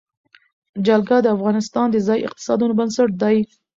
جلګه د افغانستان د ځایي اقتصادونو بنسټ دی.